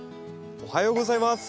おはようございます。